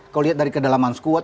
kalau lihat dari kedalaman squad